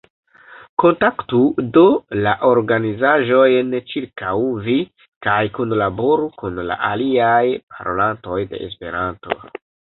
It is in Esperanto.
Kontaktu, do, la organizaĵojn ĉirkaŭ vi kaj kunlaboru kun la aliaj parolantoj de Esperanto.